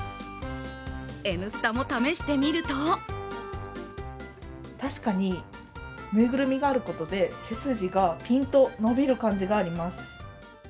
「Ｎスタ」も試してみると確かに、ぬいぐるみがあることで背筋がピンと伸びる感じがあります。